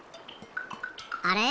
あれ？